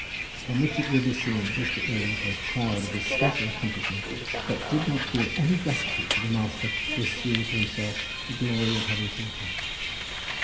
From which it will be seen Mr. Eames was proud of his special accomplishment, but did not feel any gratitude to the master who assumed to himself the glory of having taught him.